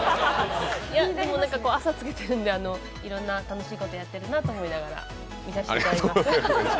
いや、朝つけてるので、いろて楽しいことやってるなと思いながら見させていただいています。